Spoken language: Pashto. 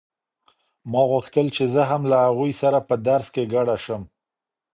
ما غوښتل چې زه هم له هغوی سره په درس کې ګډه شم.